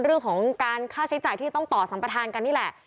เรื่องของการค่าใช้จ่ายที่ต้องต่อสัมปทานกันนี่แหละ